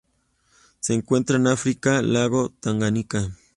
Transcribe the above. Se encuentran en África: lago Tanganika